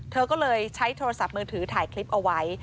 เธอก็เลยใช้โทรศัพท์มือถือถ่ายคลิปเอาไว้